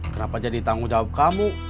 kenapa jadi tanggung jawab kamu